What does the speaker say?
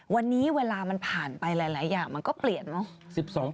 วันนี้เวลามันผ่านไปหลายอย่างมันก็เปลี่ยนเนอะ